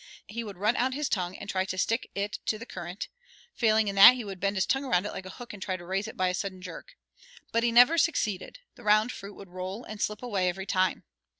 He would run out his tongue and try to stick it to the currant; failing in that, he would bend his tongue around it like a hook and try to raise it by a sudden jerk. But he never succeeded, the round fruit would roll and slip away every time.